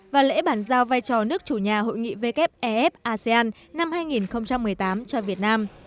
và lễ bản giao vai trò nước chủ nhà hội nghị wef asean năm hai nghìn một mươi tám cho việt nam